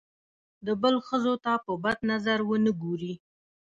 د بل ښځو ته په بد نظر ونه ګوري.